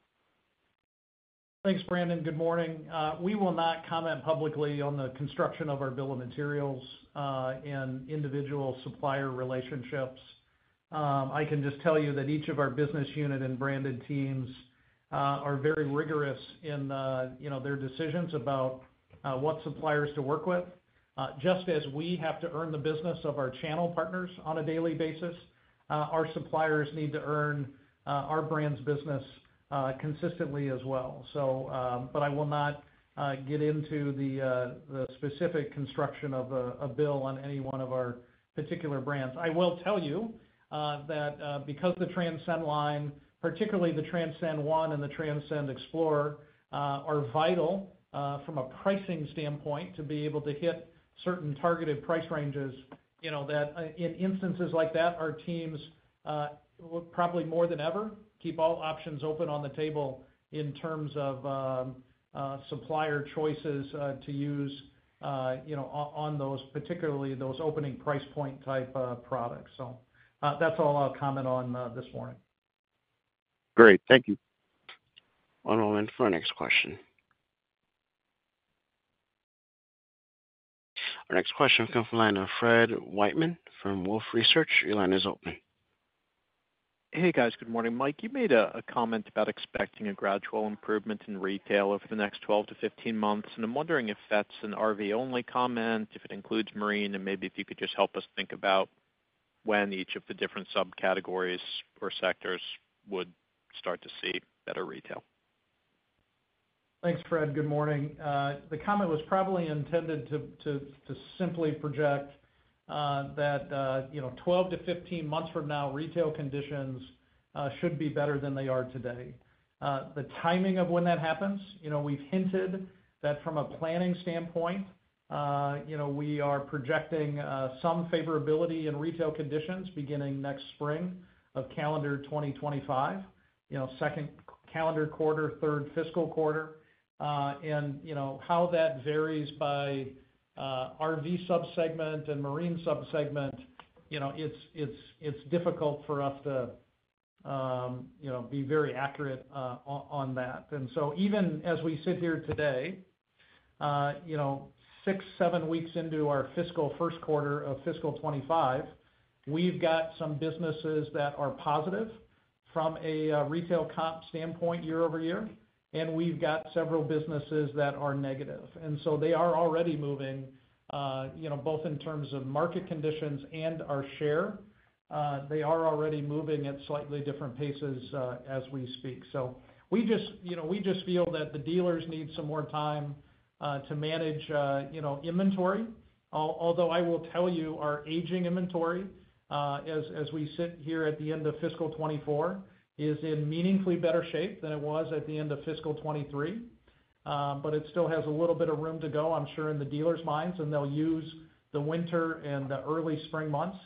Speaker 3: Thanks, Brandon. Good morning. We will not comment publicly on the construction of our bill of materials and individual supplier relationships. I can just tell you that each of our business unit and branded teams are very rigorous in, you know, their decisions about what suppliers to work with. Just as we have to earn the business of our channel partners on a daily basis, our suppliers need to earn our brand's business consistently as well. So, but I will not get into the specific construction of a bill on any one of our particular brands. I will tell you that because the Transcend line, particularly the Transcend One and Transcend Xplor, are vital from a pricing standpoint to be able to hit certain targeted price ranges, you know, that in instances like that, our teams will probably, more than ever, keep all options open on the table in terms of supplier choices to use, you know, on, on those, particularly those opening price point type of products. So, that's all I'll comment on this morning.
Speaker 11: Great. Thank you.
Speaker 1: One moment for our next question. Our next question comes from the line of Fred Wightman from Wolfe Research. Your line is open.
Speaker 12: Hey, guys. Good morning. Mike, you made a comment about expecting a gradual improvement in retail over the next 12-15 months, and I'm wondering if that's an RV-only comment, if it includes Marine, and maybe if you could just help us think about when each of the different subcategories or sectors would start to see better retail.
Speaker 3: Thanks, Fred. Good morning. The comment was probably intended to simply project that you know, 12-15 months from now, retail conditions should be better than they are today. The timing of when that happens, you know, we've hinted that from a planning standpoint you know, we are projecting some favorability in retail conditions beginning next spring of calendar 2025, you know, second calendar quarter, third fiscal quarter. And you know, how that varies by RV subsegment and Marine subsegment, you know, it's difficult for us to you know, be very accurate on that. Even as we sit here today, you know, six, seven weeks into our fiscal first quarter of fiscal 2025, we've got some businesses that are positive from a retail comp standpoint year-over-year, and we've got several businesses that are negative. So they are already moving, you know, both in terms of market conditions and our share. They are already moving at slightly different paces, as we speak. We just, you know, we just feel that the dealers need some more time to manage, you know, inventory. Although I will tell you, our aging inventory, as we sit here at the end of fiscal 2024, is in meaningfully better shape than it was at the end of fiscal 2023. But it still has a little bit of room to go, I'm sure, in the dealers' minds, and they'll use the winter and the early spring months,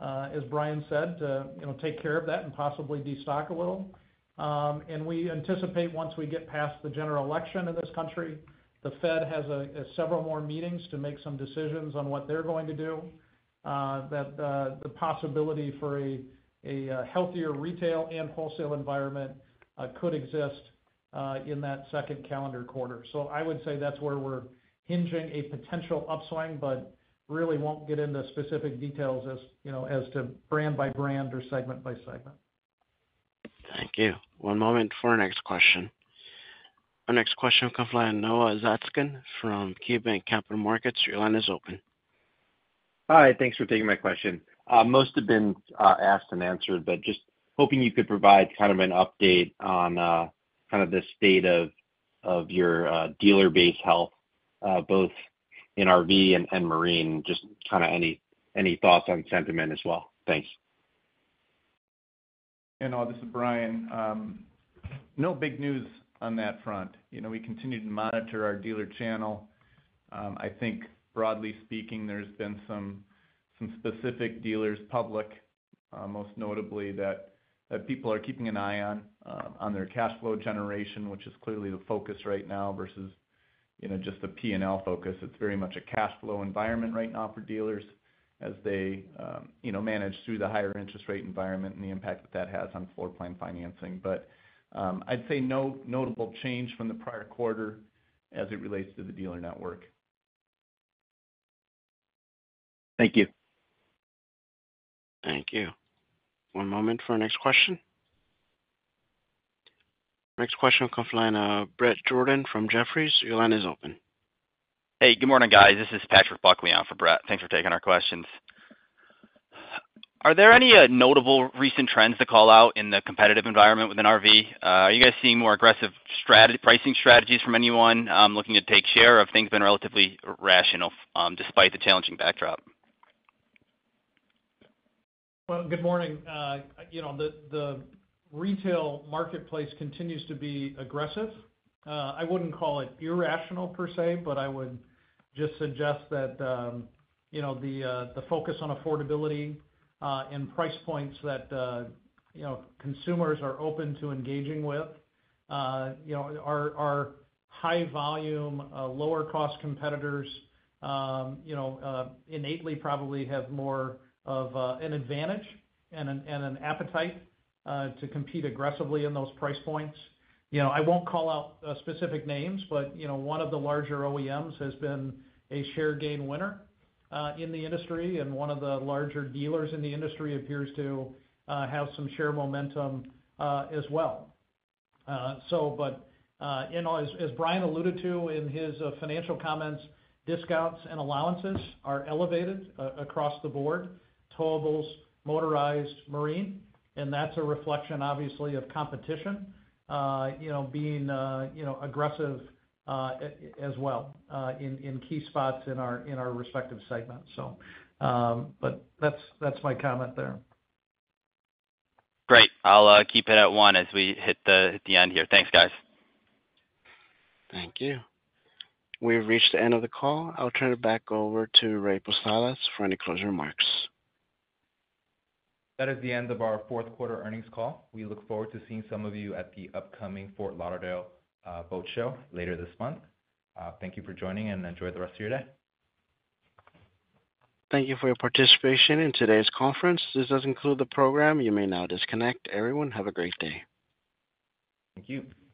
Speaker 3: as Bryan said, you know, take care of that and possibly destock a little. And we anticipate once we get past the general election in this country, the Fed has several more meetings to make some decisions on what they're going to do. That the possibility for a healthier retail and wholesale environment could exist in that second calendar quarter. So I would say that's where we're hinging a potential upswing, but really won't get into specific details as, you know, as to brand-by-brand or segment-by-segment.
Speaker 1: Thank you. One moment for our next question. Our next question will come from Noah Zatzkin from KeyBanc Capital Markets. Your line is open.
Speaker 13: Hi, thanks for taking my question. Most have been asked and answered, but just hoping you could provide kind of an update on kind of the state of your dealer base health, both in RV and Marine. Just kind of any thoughts on sentiment as well? Thanks.
Speaker 4: Hey Noah, this is Bryan. No big news on that front. You know, we continue to monitor our dealer channel. I think broadly speaking, there's been some specific dealers public, most notably that people are keeping an eye on, on their cash flow generation, which is clearly the focus right now versus, you know, just the P&L focus. It's very much a cash flow environment right now for dealers as they, you know, manage through the higher interest rate environment and the impact that that has on floor plan financing. But, I'd say no notable change from the prior quarter as it relates to the dealer network.
Speaker 13: Thank you.
Speaker 1: Thank you. One moment for our next question. Next question will come from the line of Brett Jordan from Jefferies. Your line is open.
Speaker 14: Hey, good morning, guys. This is Patrick Buckley on for Brett. Thanks for taking our questions. Are there any notable recent trends to call out in the competitive environment within RV? Are you guys seeing more aggressive pricing strategies from anyone looking to take share, or have things been relatively rational despite the challenging backdrop?
Speaker 3: Good morning. You know, the retail marketplace continues to be aggressive. I wouldn't call it irrational per se, but I would just suggest that, you know, the focus on affordability, and price points that, you know, consumers are open to engaging with, you know, are high volume, lower cost competitors, you know, innately probably have more of, an advantage and an appetite, to compete aggressively in those price points. You know, I won't call out, specific names, but, you know, one of the larger OEMs has been a share gain winner, in the industry, and one of the larger dealers in the industry appears to, have some share momentum, as well. So, but you know, as Bryan alluded to in his financial comments, discounts and allowances are elevated across the board, Towables, Motorized, Marine, and that's a reflection, obviously, of competition, you know, being you know, aggressive, as well, in key spots in our respective segments. So, but that's my comment there.
Speaker 14: Great. I'll keep it at one as we hit the end here. Thanks, guys.
Speaker 1: Thank you. We've reached the end of the call. I'll turn it back over to Ray Posadas for any closing remarks.
Speaker 2: That is the end of our fourth quarter earnings call. We look forward to seeing some of you at the upcoming Fort Lauderdale Boat Show later this month. Thank you for joining, and enjoy the rest of your day.
Speaker 1: Thank you for your participation in today's conference. This does conclude the program. You may now disconnect. Everyone, have a great day.
Speaker 2: Thank you.